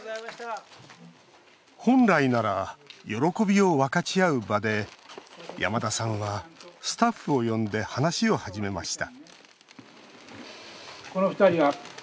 本来なら喜びを分かち合う場で山田さんは、スタッフを呼んで話を始めました。